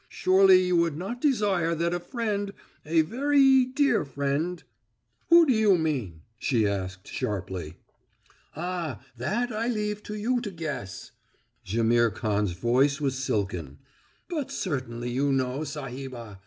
Surely you would not desire that a friend a veree dear friend " "Who do you mean?" she asked sharply. "Ah that I leave to you to guess!" Jaimihr Khan's voice was silken. "But certainly you know, Sahibah.